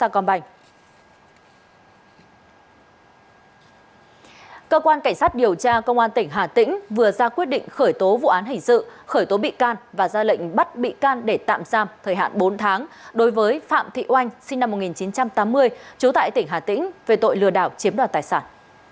cơ quan cảnh sát điều tra công an tỉnh hà tĩnh vừa ra quyết định khởi tố vụ án hình sự khởi tố bị can và ra lệnh bắt bị can để tạm giam thời hạn bốn tháng đối với phạm thị oanh sinh năm một nghìn chín trăm tám mươi trú tại tỉnh hà tĩnh về tội lừa đảo chiếm đoạt tài sản